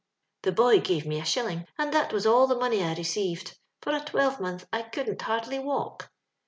The boy gave me a shilling, and that was all the money I received. For a twelve month I couldn't hardly walk.